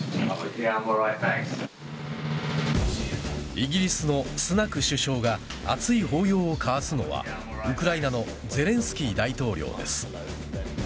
イギリスのスナク首相が熱い抱擁を交わすのはウクライナのゼレンスキー大統領です。